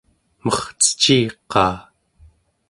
merceciiqaa